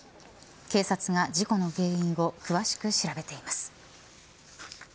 警察が事故の原因を詳しく調べています。